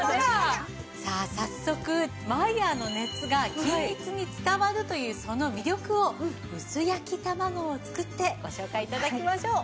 さあ早速マイヤーの熱が均一に伝わるというその魅力を薄焼き卵を作ってご紹介頂きましょう。